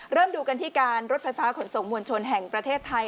เริ่มดูกันที่การรถไฟฟ้าขนส่งมวลชนแห่งประเทศไทย